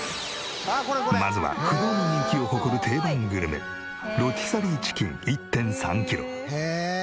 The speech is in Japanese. まずは不動の人気を誇る定番グルメロティサリーチキン１．３キロ。